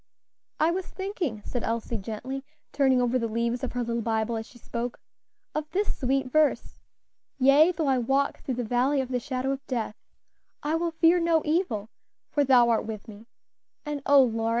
"I was thinking," said Elsie gently, turning over the leaves of her little Bible as she spoke, "of this sweet verse: 'Yea, though I walk through the valley of the shadow of death, I will fear no evil; for thou art with me;' and oh, Lora!